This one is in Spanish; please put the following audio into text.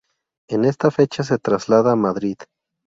En esta fecha se traslada a Madrid.